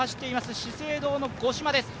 資生堂の五島です。